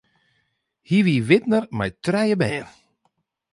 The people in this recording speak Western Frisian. Hy wie widner mei trije bern.